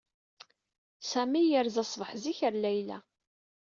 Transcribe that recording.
Sami yerza ṣṣbeḥ zik ɣer Layla.